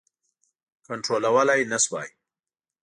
کنټرولولای نه سوای.